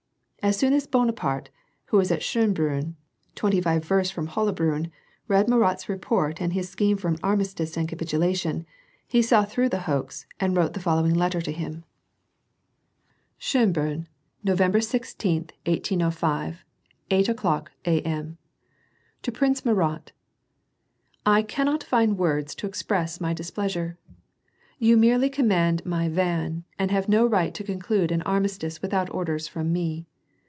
As soon as Bonaparte, who was at Schonbriinn, twenty five versts from Hollabriinn, read M urates report and his scheme for an armistice and capitulation, he saw through the hoax, and wrote the following letter to him, — WAR AND PEACE. 203 ScHOENBRUNX, NoT. 16, 1806, 8 o'clock, A. M. To Prihcb Murat: I cannot find words to express my displeasure. YoQ merely command my van, and have no right to conclude an armistice without orders from me.